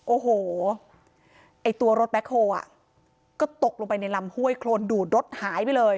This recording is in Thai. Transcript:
โอ้โหไอ้ตัวรถแบ็คโฮลอ่ะก็ตกลงไปในลำห้วยโครนดูดรถหายไปเลย